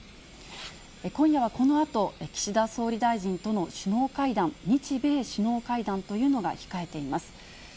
今夜はこのあと、岸田総理大臣との首脳会談、日米首脳会談というのが控えています。